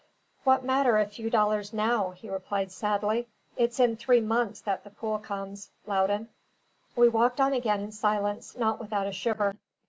"What matter a few dollars now?" he replied sadly. "It's in three months that the pull comes, Loudon." We walked on again in silence, not without a shiver.